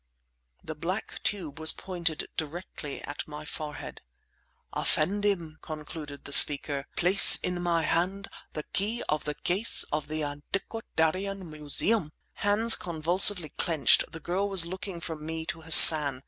'" The black tube was pointed directly at my forehead. "Effendim," concluded the speaker, "place in my hand the key of the case in the Antiquarian Museum!" Hands convulsively clenched, the girl was looking from me to Hassan.